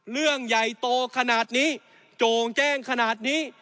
เรื่องใหญ่โตขนาดนี้โจ่งแจ้งขนาดนี้